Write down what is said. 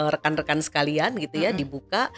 rekan rekan sekalian gitu ya dibuka